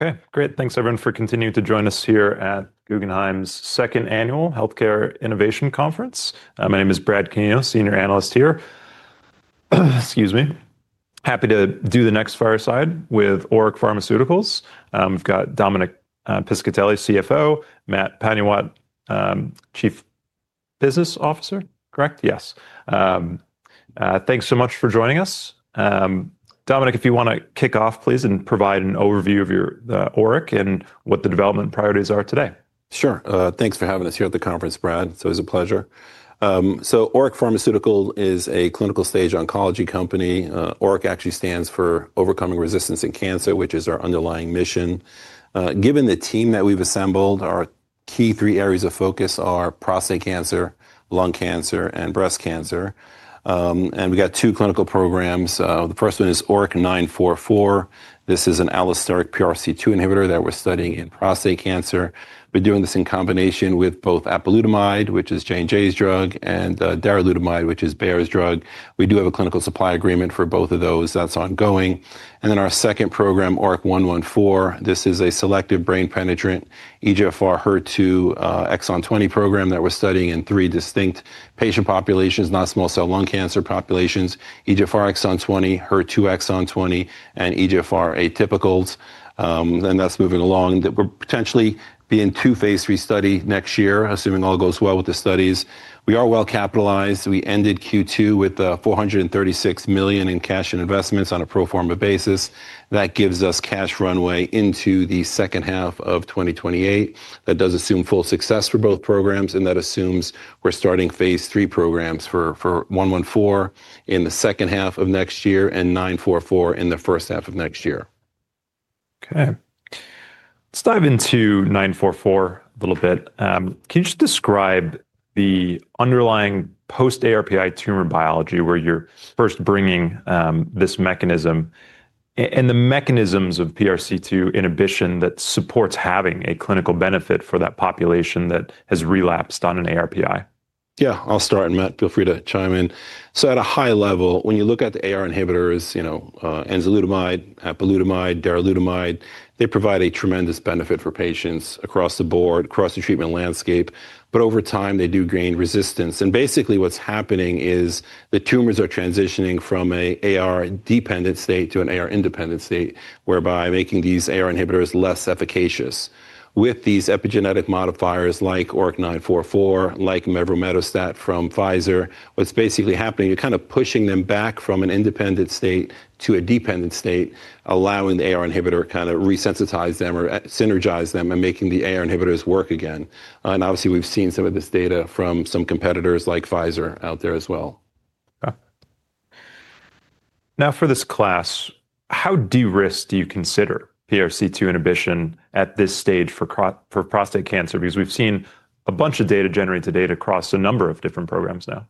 Okay, great. Thanks, everyone, for continuing to join us here at Guggenheim's second annual Healthcare Innovation Conference. My name is Brad Canino, Senior Analyst here. Excuse me. Happy to do the next fireside with Oric Pharmaceuticals. We've got Dominic Piscitelli, CFO, Matt Panuwat, Chief Business Officer. Correct? Yes. Thanks so much for joining us. Dominic, if you want to kick off, please, and provide an overview of your Oric and what the development priorities are today. Sure. Thanks for having us here at the conference, Brad. It's a pleasure. Oric Pharmaceuticals is a clinical stage oncology company. Oric actually stands for Overcoming Resistance in Cancer, which is our underlying mission. Given the team that we've assembled, our key three areas of focus are prostate cancer, lung cancer, and breast cancer. We've got two clinical programs. The first one is ORIC-944. This is an allosteric PRC2 inhibitor that we're studying in prostate cancer. We're doing this in combination with both apalutamide, which is J&J's drug, and daralutamide, which is Bayer's drug. We do have a clinical supply agreement for both of those that's ongoing. Our second program, ORIC-114, is a selective brain penetrant EGFR HER2 exon 20 program that we're studying in three distinct patient populations, non-small cell lung cancer populations, EGFR exon 20, HER2 exon 20, and EGFR atypicals. That is moving along. That will potentially be in two phase III study next year, assuming all goes well with the studies. We are well capitalized. We ended Q2 with $436 million in cash and investments on a pro forma basis. That gives us cash runway into the second half of 2028. That does assume full success for both programs, and that assumes we are starting phase III programs for 114 in the second half of next year and 944 in the first half of next year. Okay. Let's dive into 944 a little bit. Can you just describe the underlying post-ARPI tumor biology where you're first bringing this mechanism and the mechanisms of PRC2 inhibition that supports having a clinical benefit for that population that has relapsed on an ARPI? Yeah, I'll start, and Matt, feel free to chime in. At a high level, when you look at the AR inhibitors, you know, enzalutamide, apalutamide, daralutamide, they provide a tremendous benefit for patients across the board, across the treatment landscape. Over time, they do gain resistance. Basically what's happening is the tumors are transitioning from an AR-dependent state to an AR-independent state, whereby making these AR inhibitors less efficacious. With these epigenetic modifiers like ORIC-944, like mevrometostat from Pfizer, what's basically happening, you're kind of pushing them back from an independent state to a dependent state, allowing the AR inhibitor to kind of resensitize them or synergize them and making the AR inhibitors work again. Obviously, we've seen some of this data from some competitors like Pfizer out there as well. Now, for this class, how de-risked do you consider PRC2 inhibition at this stage for prostate cancer? Because we've seen a bunch of data generated to date across a number of different programs now.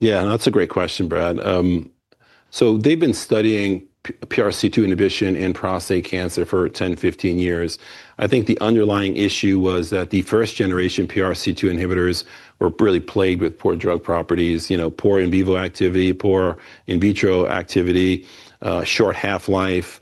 Yeah, that's a great question, Brad. They've been studying PRC2 inhibition in prostate cancer for 10-15 years. I think the underlying issue was that the first generation PRC2 inhibitors were really plagued with poor drug properties, you know, poor in vivo activity, poor in vitro activity, short half-life.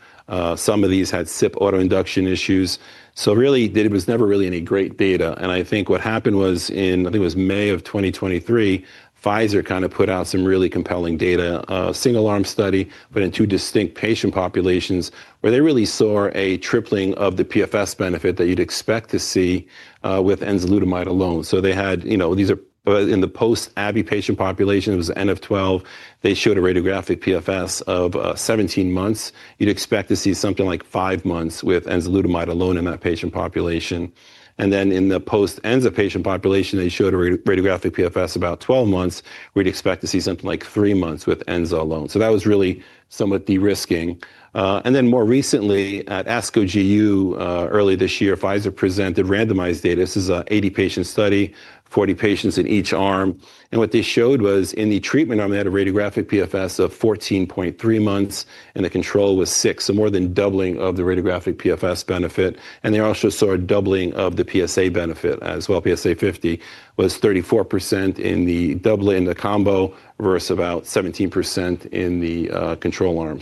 Some of these had CYP autoinduction issues. There was never really any great data. I think what happened was in, I think it was May of 2023, Pfizer kind of put out some really compelling data, a single-arm study, but in two distinct patient populations where they really saw a tripling of the PFS benefit that you'd expect to see with enzalutamide alone. They had, you know, these are in the post-ABI patient population, it was N of 12. They showed a radiographic PFS of 17 months. You'd expect to see something like five months with enzalutamide alone in that patient population. In the post-ENZA patient population, they showed a radiographic PFS about 12 months, where you'd expect to see something like three months with ENZA alone. That was really somewhat de-risking. More recently, at ASCO GU early this year, Pfizer presented randomized data. This is an 80-patient study, 40 patients in each arm. What they showed was in the treatment arm, they had a radiographic PFS of 14.3 months, and the control was six, so more than doubling of the radiographic PFS benefit. They also saw a doubling of the PSA benefit as well. PSA 50 was 34% in the combo versus about 17% in the control arm.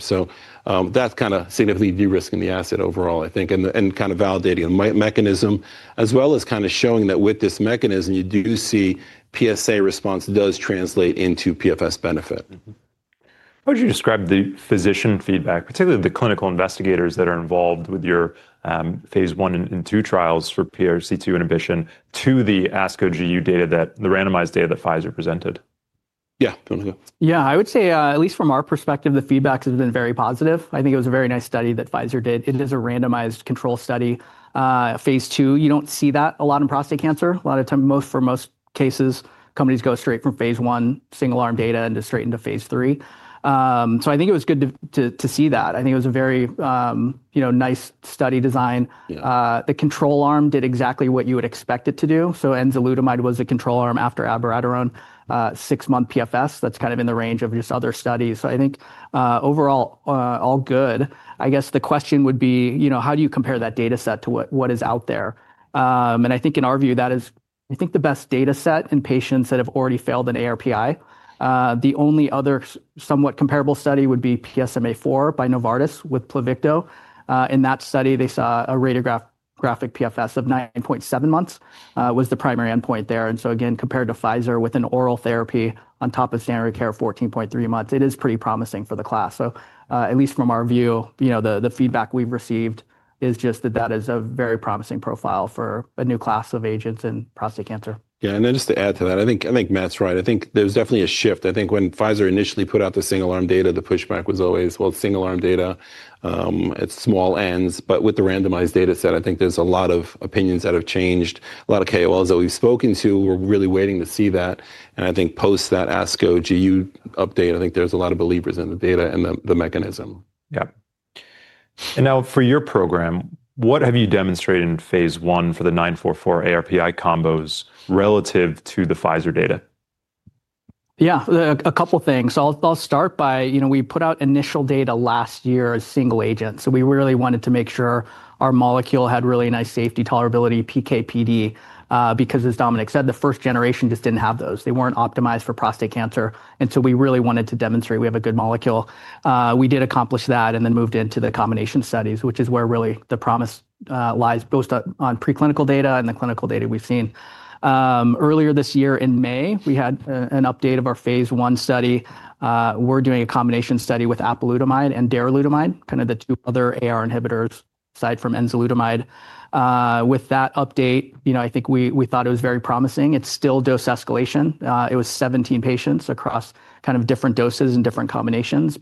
That's kind of significantly de-risking the asset overall, I think, and kind of validating the mechanism, as well as kind of showing that with this mechanism, you do see PSA response does translate into PFS benefit. How would you describe the physician feedback, particularly the clinical investigators that are involved with your phase I and II trials for PRC2 inhibition to the ASCO GU data, the randomized data that Pfizer presented? Yeah, Dominic. Yeah, I would say at least from our perspective, the feedback has been very positive. I think it was a very nice study that Pfizer did. It is a randomized control study. Phase II, you do not see that a lot in prostate cancer. A lot of times, for most cases, companies go straight from phase I, single-arm data, and just straight into phase III. I think it was good to see that. I think it was a very, you know, nice study design. The control arm did exactly what you would expect it to do. Enzalutamide was the control arm after abiraterone, six-month PFS. That is kind of in the range of just other studies. I think overall, all good. I guess the question would be, you know, how do you compare that data set to what is out there? I think in our view, that is, I think, the best data set in patients that have already failed an ARPI. The only other somewhat comparable study would be PSMA4 by Novartis with Pluvicto. In that study, they saw a radiographic PFS of 9.7 months was the primary endpoint there. Again, compared to Pfizer with an oral therapy on top of standard of care of 14.3 months, it is pretty promising for the class. At least from our view, you know, the feedback we've received is just that that is a very promising profile for a new class of agents in prostate cancer. Yeah, and then just to add to that, I think Matt's right. I think there's definitely a shift. I think when Pfizer initially put out the single-arm data, the pushback was always, well, single-arm data, it's small ends. With the randomized data set, I think there's a lot of opinions that have changed, a lot of KOLs that we've spoken to were really waiting to see that. I think post that ASCO GU update, I think there's a lot of believers in the data and the mechanism. Yep. For your program, what have you demonstrated in phase I for the 944 ARPI combos relative to the Pfizer data? Yeah, a couple of things. I'll start by, you know, we put out initial data last year as single agents. We really wanted to make sure our molecule had really nice safety, tolerability, PK/PD, because as Dominic said, the first generation just didn't have those. They weren't optimized for prostate cancer. We really wanted to demonstrate we have a good molecule. We did accomplish that and then moved into the combination studies, which is where really the promise lies both on preclinical data and the clinical data we've seen. Earlier this year in May, we had an update of our phase I study. We're doing a combination study with apalutamide and daralutamide, kind of the two other AR inhibitors aside from enzalutamide. With that update, you know, I think we thought it was very promising. It's still dose escalation. It was 17 patients across kind of different doses and different combinations.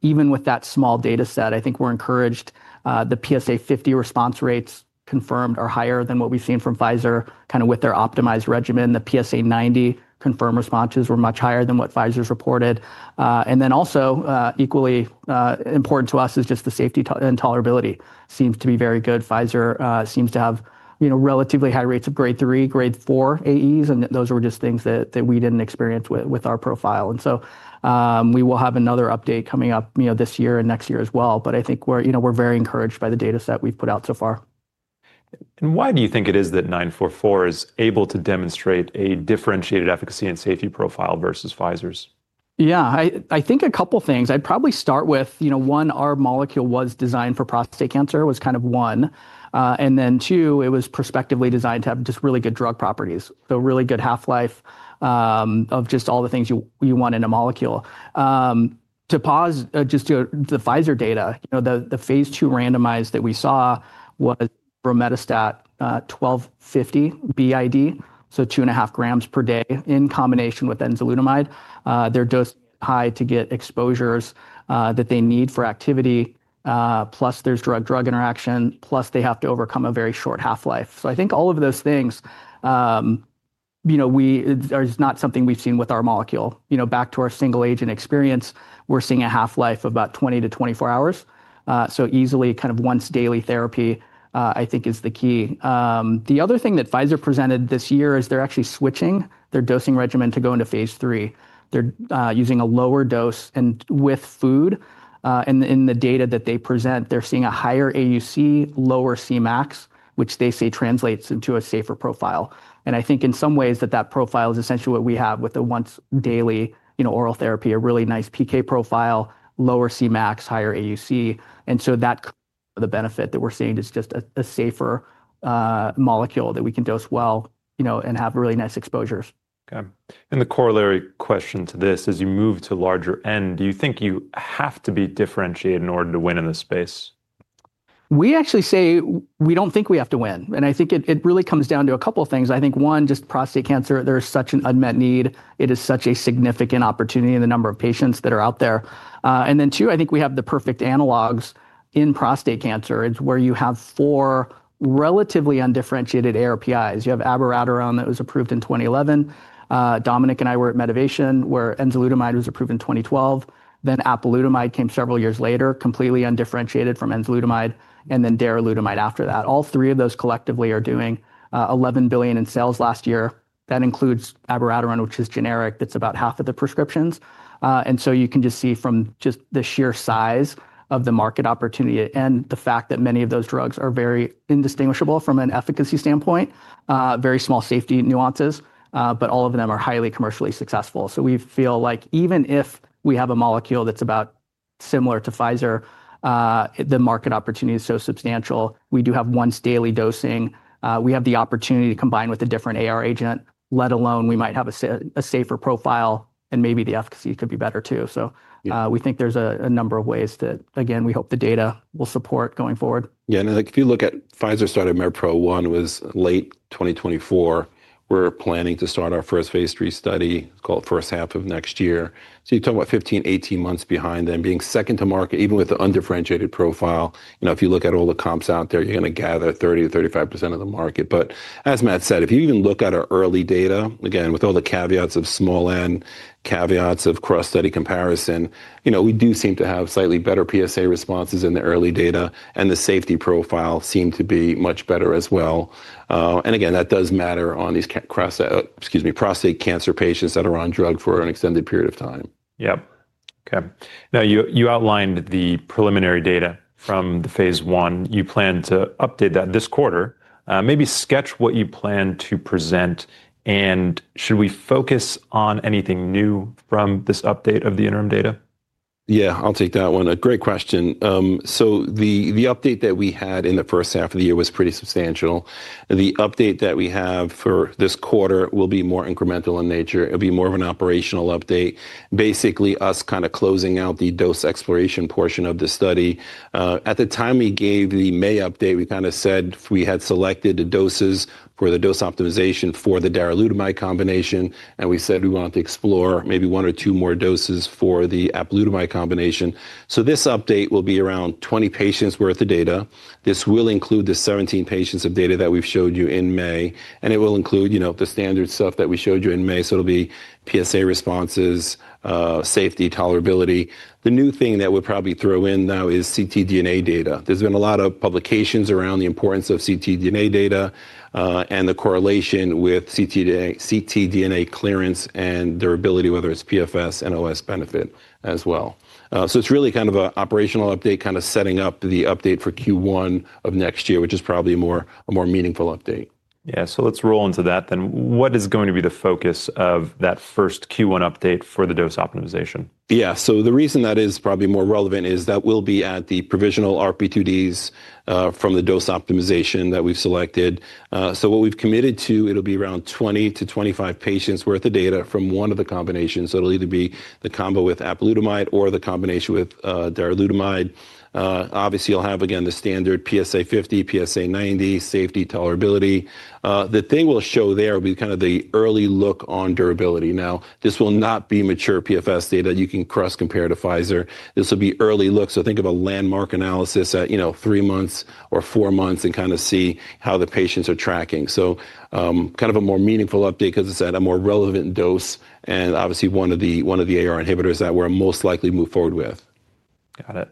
Even with that small data set, I think we're encouraged. The PSA 50 response rates confirmed are higher than what we've seen from Pfizer, kind of with their optimized regimen. The PSA 90 confirmed responses were much higher than what Pfizer's reported. Also, equally important to us is just the safety and tolerability seems to be very good. Pfizer seems to have, you know, relatively high rates of grade three, grade four AEs, and those were just things that we didn't experience with our profile. We will have another update coming up, you know, this year and next year as well. I think we're, you know, we're very encouraged by the data set we've put out so far. Why do you think it is that 944 is able to demonstrate a differentiated efficacy and safety profile versus Pfizer's? Yeah, I think a couple of things. I'd probably start with, you know, one, our molecule was designed for prostate cancer, was kind of one. And then two, it was prospectively designed to have just really good drug properties, so really good half-life of just all the things you want in a molecule. To pause, just to the Pfizer data, you know, the phase II randomized that we saw was mevrometostat 1250 BID, so two and a half grams per day in combination with enzalutamide. They're dosed high to get exposures that they need for activity, plus there's drug-drug interaction, plus they have to overcome a very short half-life. I think all of those things, you know, are not something we've seen with our molecule. You know, back to our single agent experience, we're seeing a half-life of about 20-24 hours. Easily kind of once daily therapy, I think, is the key. The other thing that Pfizer presented this year is they're actually switching their dosing regimen to go into phase III. They're using a lower dose and with food. In the data that they present, they're seeing a higher AUC, lower Cmax, which they say translates into a safer profile. I think in some ways that profile is essentially what we have with the once daily, you know, oral therapy, a really nice PK profile, lower Cmax, higher AUC. The benefit that we're seeing is just a safer molecule that we can dose well, you know, and have really nice exposures. Okay. The corollary question to this is you move to larger N, do you think you have to be differentiated in order to win in this space? We actually say we don't think we have to win. I think it really comes down to a couple of things. I think, one, just prostate cancer, there's such an unmet need. It is such a significant opportunity in the number of patients that are out there. Two, I think we have the perfect analogs in prostate cancer. It's where you have four relatively undifferentiated ARPIs. You have abiraterone that was approved in 2011. Dominic and I were at Medivation where enzalutamide was approved in 2012. Then apalutamide came several years later, completely undifferentiated from enzalutamide, and then daralutamide after that. All three of those collectively are doing $11 billion in sales last year. That includes abiraterone, which is generic. That's about half of the prescriptions. You can just see from the sheer size of the market opportunity and the fact that many of those drugs are very indistinguishable from an efficacy standpoint, very small safety nuances, but all of them are highly commercially successful. We feel like even if we have a molecule that's about similar to Pfizer, the market opportunity is so substantial. We do have once daily dosing. We have the opportunity to combine with a different AR agent, let alone we might have a safer profile and maybe the efficacy could be better too. We think there's a number of ways that, again, we hope the data will support going forward. Yeah, and if you look at Pfizer started mevrometostat late 2024. We're planning to start our first phase III study, it's called first half of next year. You're talking about 15-18 months behind them, being second to market, even with the undifferentiated profile. You know, if you look at all the comps out there, you're going to gather 30-35% of the market. As Matt said, if you even look at our early data, again, with all the caveats of small N, caveats of cross-study comparison, you know, we do seem to have slightly better PSA responses in the early data, and the safety profile seemed to be much better as well. That does matter on these prostate cancer patients that are on drug for an extended period of time. Yep. Okay. Now you outlined the preliminary data from the phase I. You plan to update that this quarter. Maybe sketch what you plan to present, and should we focus on anything new from this update of the interim data? Yeah, I'll take that one. A great question. The update that we had in the first half of the year was pretty substantial. The update that we have for this quarter will be more incremental in nature. It'll be more of an operational update, basically us kind of closing out the dose exploration portion of the study. At the time we gave the May update, we kind of said we had selected the doses for the dose optimization for the daralutamide combination, and we said we want to explore maybe one or two more doses for the apalutamide combination. This update will be around 20 patients' worth of data. This will include the 17 patients of data that we've showed you in May, and it will include, you know, the standard stuff that we showed you in May. It'll be PSA responses, safety, tolerability. The new thing that we'll probably throw in now is CT DNA data. There's been a lot of publications around the importance of CT DNA data and the correlation with CT DNA clearance and durability, whether it's PFS and OS benefit as well. It is really kind of an operational update, kind of setting up the update for Q1 of next year, which is probably a more meaningful update. Yeah, so let's roll into that then. What is going to be the focus of that first Q1 update for the dose optimization? Yeah, so the reason that is probably more relevant is that we'll be at the provisional RP2Ds from the dose optimization that we've selected. So what we've committed to, it'll be around 20-25 patients' worth of data from one of the combinations. So it'll either be the combo with apalutamide or the combination with daralutamide. Obviously, you'll have again the standard PSA 50, PSA 90, safety, tolerability. The thing we'll show there will be kind of the early look on durability. Now, this will not be mature PFS data that you can cross-compare to Pfizer. This will be early look. So think of a landmark analysis at, you know, three months or four months and kind of see how the patients are tracking. Kind of a more meaningful update because it's at a more relevant dose and obviously one of the AR inhibitors that we're most likely to move forward with. Got it.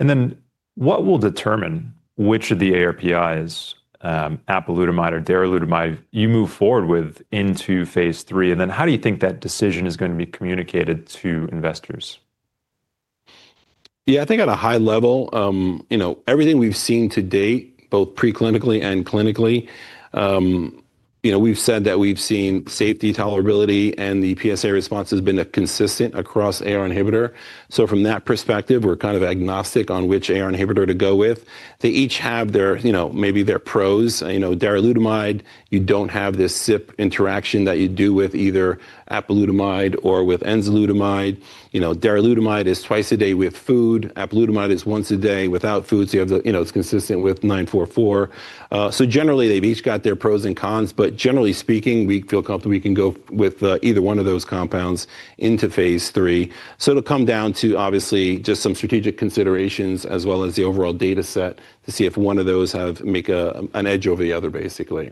Okay. What will determine which of the ARPIs, apalutamide or daralutamide, you move forward with into phase III? How do you think that decision is going to be communicated to investors? Yeah, I think at a high level, you know, everything we've seen to date, both preclinically and clinically, you know, we've said that we've seen safety, tolerability, and the PSA response has been consistent across AR inhibitor. From that perspective, we're kind of agnostic on which AR inhibitor to go with. They each have their, you know, maybe their pros. You know, daralutamide, you don't have this CYP interaction that you do with either apalutamide or with enzalutamide. Daralutamide is twice a day with food. Apalutamide is once a day without food. You have the, you know, it's consistent with 944. Generally, they've each got their pros and cons, but generally speaking, we feel comfortable we can go with either one of those compounds into phase III. It'll come down to obviously just some strategic considerations as well as the overall data set to see if one of those have made an edge over the other, basically.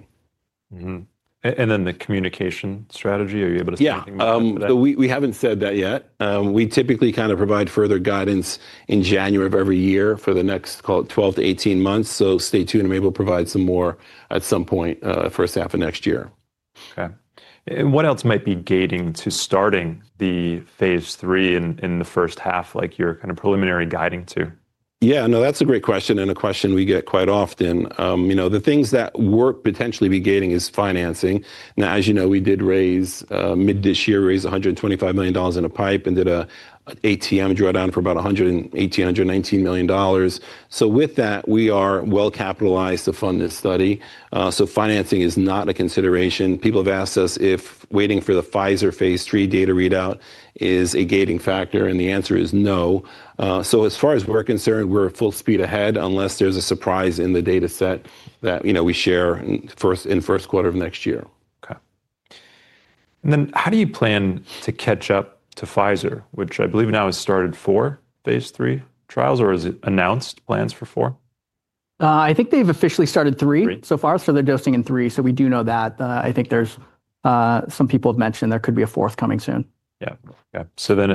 The communication strategy, are you able to speak more about that? Yeah, we haven't said that yet. We typically kind of provide further guidance in January of every year for the next, call it 12 to 18 months. Stay tuned. Maybe we'll provide some more at some point first half of next year. Okay. What else might be gating to starting the phase III in the first half, like your kind of preliminary guiding to? Yeah, no, that's a great question and a question we get quite often. You know, the things that could potentially be gating is financing. Now, as you know, we did raise mid this year, raised $125 million in a pipe and did an ATM drawdown for about $118 million. With that, we are well capitalized to fund this study. Financing is not a consideration. People have asked us if waiting for the Pfizer phase III data readout is a gating factor, and the answer is no. As far as we're concerned, we're full speed ahead unless there's a surprise in the data set that, you know, we share in first quarter of next year. Okay. How do you plan to catch up to Pfizer, which I believe now has started four phase III trials or has announced plans for four? I think they've officially started three. So far as for their dosing in three, so we do know that. I think there's some people have mentioned there could be a fourth coming soon. Yeah. So then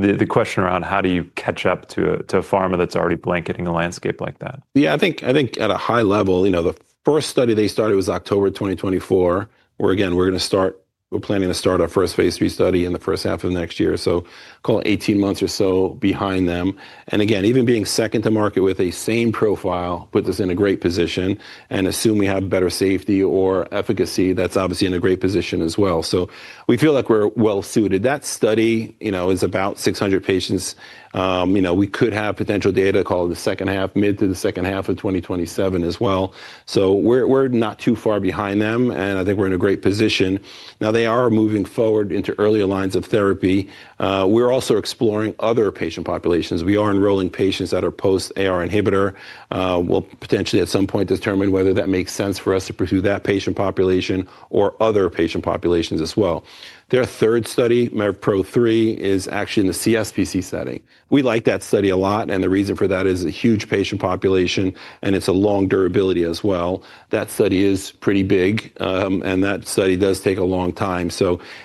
the question around how do you catch up to a pharma that's already blanketing a landscape like that? Yeah, I think at a high level, you know, the first study they started was October 2024, where again, we're going to start, we're planning to start our first phase III study in the first half of next year. Call it 18 months or so behind them. Again, even being second to market with a same profile puts us in a great position and assume we have better safety or efficacy, that's obviously in a great position as well. We feel like we're well suited. That study, you know, is about 600 patients. You know, we could have potential data called the second half, mid to the second half of 2027 as well. We're not too far behind them, and I think we're in a great position. Now they are moving forward into earlier lines of therapy. We're also exploring other patient populations. We are enrolling patients that are post AR inhibitor. We'll potentially at some point determine whether that makes sense for us to pursue that patient population or other patient populations as well. Their third study, MERPRO-III, is actually in the CSPC setting. We like that study a lot, and the reason for that is a huge patient population and it's a long durability as well. That study is pretty big, and that study does take a long time. It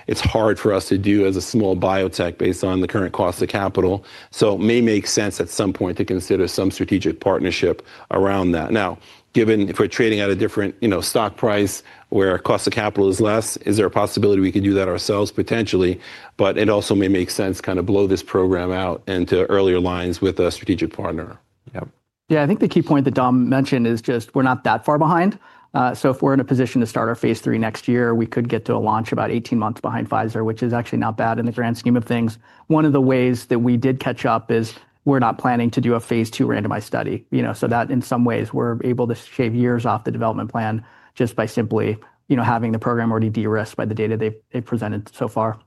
is hard for us to do as a small biotech based on the current cost of capital. It may make sense at some point to consider some strategic partnership around that. Now, given if we're trading at a different, you know, stock price where cost of capital is less, is there a possibility we could do that ourselves potentially? It also may make sense to kind of blow this program out into earlier lines with a strategic partner. Yep. Yeah, I think the key point that Dom mentioned is just we're not that far behind. If we're in a position to start our phase III next year, we could get to a launch about 18 months behind Pfizer, which is actually not bad in the grand scheme of things. One of the ways that we did catch up is we're not planning to do a phase II randomized study, you know, so that in some ways we're able to shave years off the development plan just by simply, you know, having the program already de-risked by the data they've presented so far.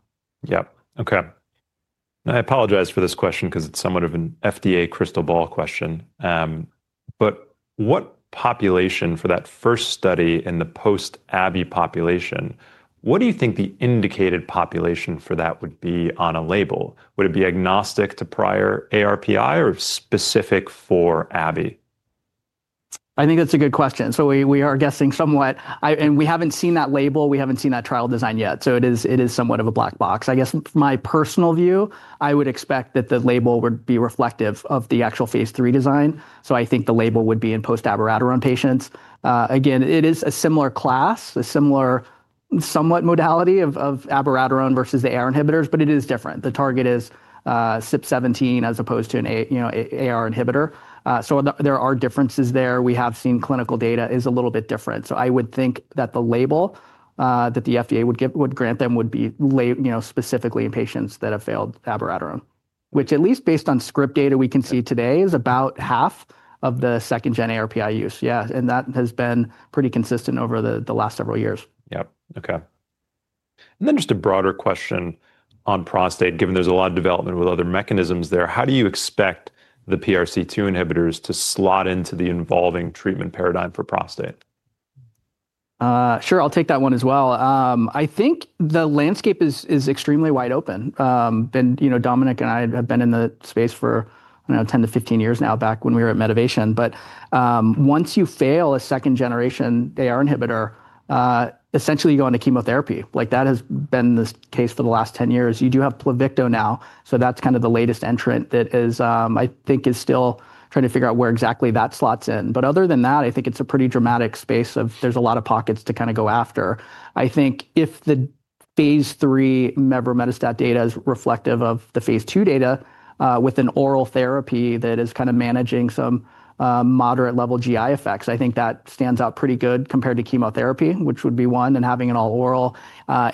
Yep. Okay. I apologize for this question because it's somewhat of an FDA crystal ball question. What population for that first study in the post-ABI population, what do you think the indicated population for that would be on a label? Would it be agnostic to prior ARPI or specific for ABI? I think that's a good question. We are guessing somewhat, and we haven't seen that label. We haven't seen that trial design yet. It is somewhat of a black box. I guess from my personal view, I would expect that the label would be reflective of the actual phase III design. I think the label would be in post abiraterone patients. Again, it is a similar class, a similar somewhat modality of abiraterone versus the AR inhibitors, but it is different. The target is SIP17 as opposed to an AR inhibitor. There are differences there. We have seen clinical data is a little bit different. I would think that the label that the FDA would grant them would be, you know, specifically in patients that have failed abiraterone, which at least based on script data we can see today is about half of the second-gen ARPI use. Yeah, and that has been pretty consistent over the last several years. Yep. Okay. And then just a broader question on prostate, given there's a lot of development with other mechanisms there, how do you expect the PRC2 inhibitors to slot into the evolving treatment paradigm for prostate? Sure, I'll take that one as well. I think the landscape is extremely wide open. You know, Dominic and I have been in the space for, you know, 10 to 15 years now back when we were at Medivation. Once you fail a second generation AR inhibitor, essentially you go into chemotherapy. That has been the case for the last 10 years. You do have Pluvicto now. That's kind of the latest entrant that is, I think, still trying to figure out where exactly that slots in. Other than that, I think it's a pretty dramatic space of there's a lot of pockets to kind of go after. I think if the phase III mevrometostat data is reflective of the phase II data with an oral therapy that is kind of managing some moderate level GI effects, I think that stands out pretty good compared to chemotherapy, which would be one and having it all oral.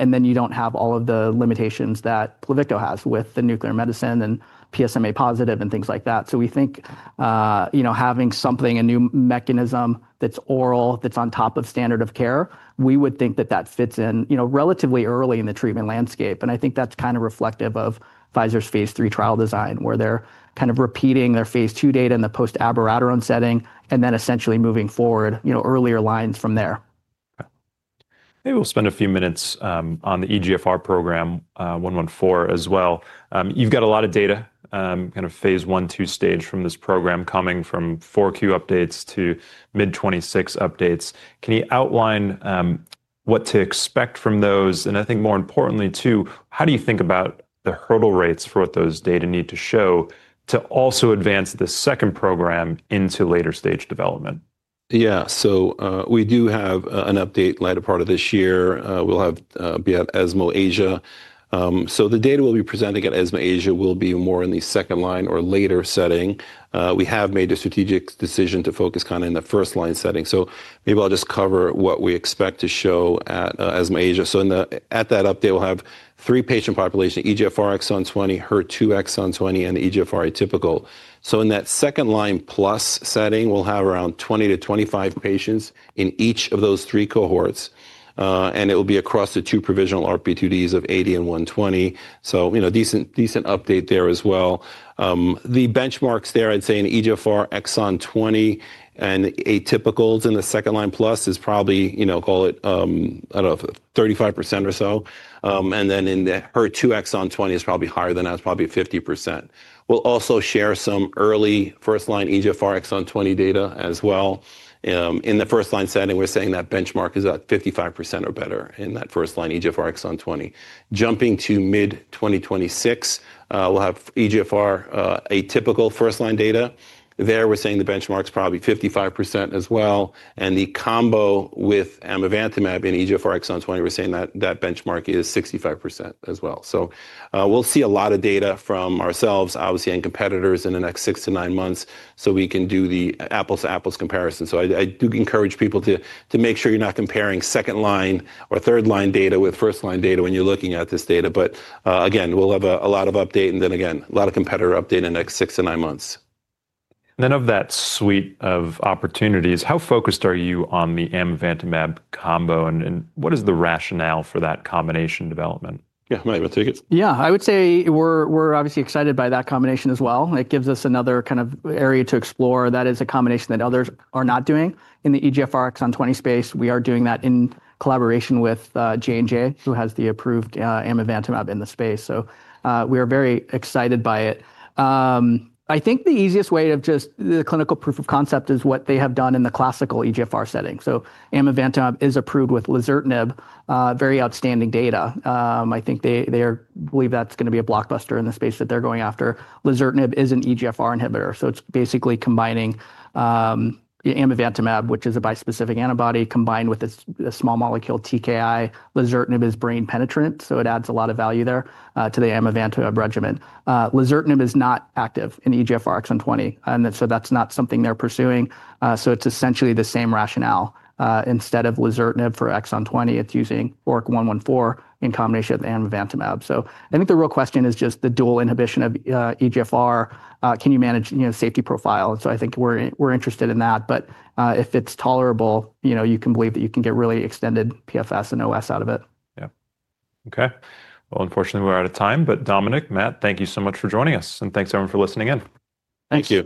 You do not have all of the limitations that Pluvicto has with the nuclear medicine and PSMA positive and things like that. We think, you know, having something, a new mechanism that's oral, that's on top of standard of care, we would think that that fits in, you know, relatively early in the treatment landscape. I think that's kind of reflective of Pfizer's phase III trial design where they're kind of repeating their phase II data in the post abiraterone setting and then essentially moving forward, you know, earlier lines from there. Okay. Maybe we'll spend a few minutes on the EGFR program 114 as well. You've got a lot of data, kind of phase I, II stage from this program coming from Q4 updates to mid 2026 updates. Can you outline what to expect from those? I think more importantly too, how do you think about the hurdle rates for what those data need to show to also advance the second program into later stage development? Yeah, so we do have an update later part of this year. We'll have be at ESMO Asia. The data we'll be presenting at ESMO Asia will be more in the second line or later setting. We have made a strategic decision to focus kind of in the first line setting. Maybe I'll just cover what we expect to show at ESMO Asia. At that update, we'll have three patient populations, EGFR exon 20, HER2 exon 20, and EGFR atypical. In that second line plus setting, we'll have around 20-25 patients in each of those three cohorts. It will be across the two provisional RP2Ds of 80 and 120. You know, decent update there as well. The benchmarks there, I'd say in EGFR exon 20 and atypicals in the second line plus is probably, you know, call it, I don't know, 35% or so. In the HER2 exon 20, it is probably higher than that, it's probably 50%. We'll also share some early first line EGFR exon 20 data as well. In the first line setting, we're saying that benchmark is at 55% or better in that first line EGFR exon 20. Jumping to mid 2026, we'll have EGFR atypical first line data. There we're saying the benchmark's probably 55% as well. The combo with Amivantamab in EGFR exon 20, we're saying that that benchmark is 65% as well. We'll see a lot of data from ourselves, obviously and competitors in the next six to nine months so we can do the apples to apples comparison. I do encourage people to make sure you're not comparing second line or third line data with first line data when you're looking at this data. Again, we'll have a lot of update and then again, a lot of competitor update in the next six to nine months. Of that suite of opportunities, how focused are you on the Amivantamab combo and what is the rationale for that combination development? Yeah, I might want to take it. Yeah, I would say we're obviously excited by that combination as well. It gives us another kind of area to explore. That is a combination that others are not doing in the EGFR exon 20 space. We are doing that in collaboration with J&J, who has the approved Amivantamab in the space. So we are very excited by it. I think the easiest way to just, the clinical proof of concept is what they have done in the classical EGFR setting. So Amivantamab is approved with Lazertinib, very outstanding data. I think they believe that's going to be a blockbuster in the space that they're going after. Lazertinib is an EGFR inhibitor. So it's basically combining Amivantamab, which is a bispecific antibody combined with a small molecule TKI. Lazertinib is brain penetrant, so it adds a lot of value there to the Amivantamab regimen. Lazertinib is not active in EGFR exon 20. That's not something they're pursuing. It's essentially the same rationale. Instead of Lazertinib for exon 20, it's using ORIC-114 in combination with Amivantamab. I think the real question is just the dual inhibition of EGFR. Can you manage, you know, safety profile? I think we're interested in that. If it's tolerable, you know, you can believe that you can get really extended PFS and OS out of it. Yeah. Okay. Unfortunately, we're out of time. Dominic, Matt, thank you so much for joining us. And thanks everyone for listening in. Thank you.